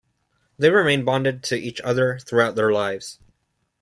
They remain bonded to each other throughout their lives.